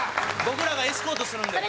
僕らがエスコートするんで。